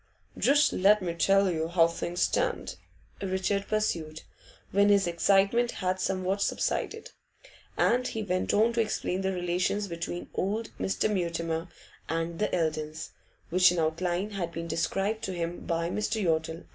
'Just let me tell you how things stand,' Richard pursued, when his excitement had somewhat subsided; and he went on to explain the relations between old Mr. Mutimer and the Eldons, which in outline had been described to him by Mr. Yottle.